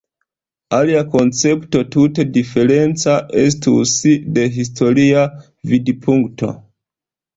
Alia koncepto tute diferenca estus de historia vidpunkto.